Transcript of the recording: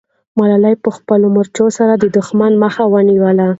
ملالۍ په خپلو مرچو سره د دښمن مخه ونیوله.